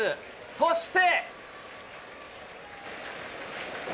そして。